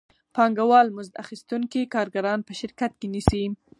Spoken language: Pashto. پانګوال مزد اخیستونکي کارګران په شرکت کې نیسي